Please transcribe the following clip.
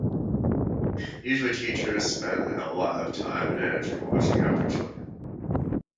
Usually teachers spend a lot of time and energy watching after children.